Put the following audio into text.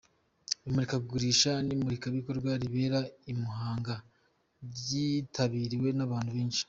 Imurikagurisha n’imurikabikorwa ribera i Muhang ryitabiriwe n’abantu benshi.